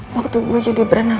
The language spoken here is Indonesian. waktu gue jadi berenang